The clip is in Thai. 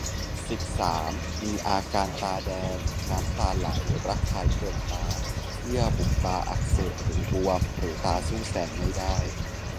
สิบสาม มีอาการตาแดง น้ำตาไหล ระคายเคืองตา เยื่อบุตาอักเสบหรือบวม หรือตาสู้แสงไม่ได้